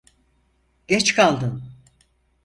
Geç kaldın.